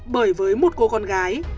bởi với một cô con gái